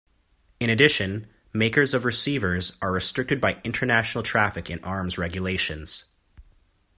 In addition, makers of receivers are restricted by International Traffic in Arms Regulations.